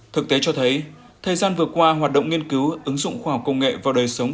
thực tế cho thấy thời gian vừa qua hoạt động nghiên cứu ứng dụng khoa học công nghệ vào đời sống